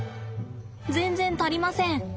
全然足りません。